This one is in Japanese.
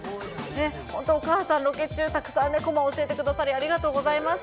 本当、お母さん、ロケ中、たくさんね、こまを教えてくださりありがとうございました。